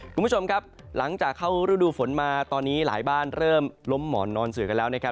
คุณผู้ชมครับหลังจากเข้ารูดูฝนมาตอนนี้หลายบ้านเริ่มล้มหมอนนอนเสือกันแล้วนะครับ